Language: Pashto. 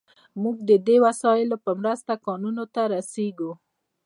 موږ د دې وسایلو په مرسته کانونو ته رسیږو.